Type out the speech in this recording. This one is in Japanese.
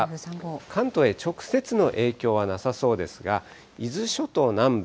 関東へ直接の影響はなさそうですが、伊豆諸島南部、